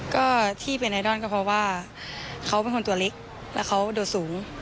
ก็ที่เป็นไอดอลก็เพราะว่าเขาเป็นคนตัวเล็กแล้วเขาโดดสูง